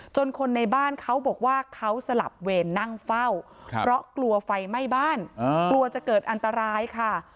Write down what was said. คนในบ้านเขาบอกว่าเขาสลับเวรนั่งเฝ้าเพราะกลัวไฟไหม้บ้านกลัวจะเกิดอันตรายค่ะ